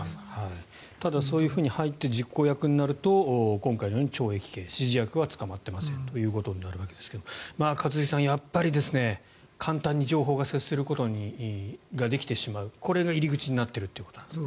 ただそういうふうに入って実行役になると今回のように懲役刑指示役は捕まってませんとなるわけですが一茂さん、やっぱり簡単に情報に接することができてしまうこれが入り口になっているということなんですね。